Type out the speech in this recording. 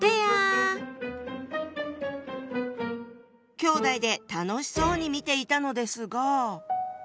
きょうだいで楽しそうに見ていたのですが。